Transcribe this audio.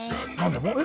え？